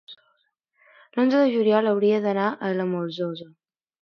l'onze de juliol hauria d'anar a la Molsosa.